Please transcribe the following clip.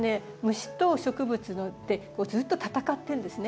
虫と植物ってずっと戦ってるんですね。